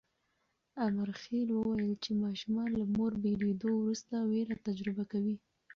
امرخېل وویل چې ماشومان له مور بېلېدو وروسته وېره تجربه کوي.